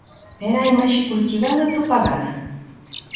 Era a imaxe cultivada e propagada.